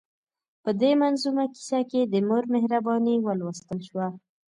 په دې منظومه کیسه کې د مور مهرباني ولوستل شوه.